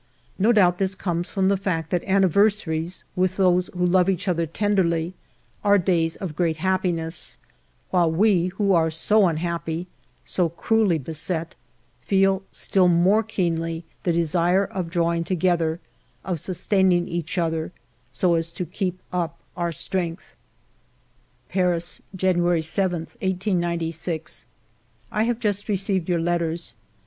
No doubt this comes from the fact that anniversaries with those who love each other tenderly are days of great happi ness, while we, who are so unhappy, so cruelly beset, feel still more keenly the desire of drawing together, of sustaining each other, so as to keep up our strength." Paris, January 7, 1896. " I have just received your letters.